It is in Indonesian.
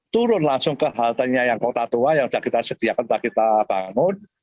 turun langsung ke haltenya yang kota tua yang sudah kita sediakan sudah kita bangun